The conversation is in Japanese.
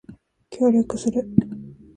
協力する